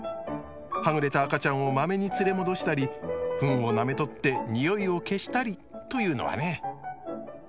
はぐれた赤ちゃんをまめに連れ戻したりフンをなめとってニオイを消したりというのはね。